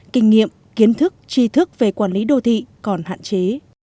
kinh nghiệm kiến thức tri thức về quản lý đô thị còn hạn chế